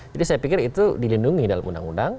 jadi saya pikir itu dilindungi dalam undang undang